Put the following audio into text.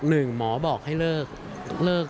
หนึ่งหมอบอกให้เลิก